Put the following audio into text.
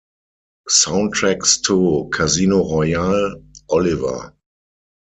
Soundtracks to "Casino Royale", "Oliver!